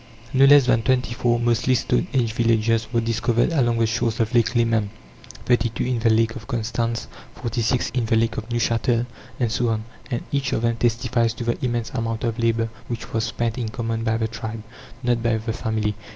No less than twenty four, mostly stone age villages, were discovered along the shores of Lake Leman, thirty two in the Lake of Constance, forty six in the Lake of Neuchatel, and so on; and each of them testifies to the immense amount of labour which was spent in common by the tribe, not by the family.